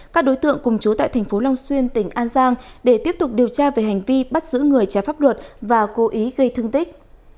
các đối tượng cùng chú tại thành phố long xuyên tỉnh an giang để tiếp tục điều tra về hành vi bắt giữ người trái pháp luật và cố ý gây thương tích